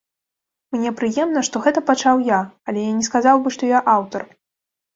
Мне прыемна, што гэта пачаў я, але я не сказаў бы, што я аўтар.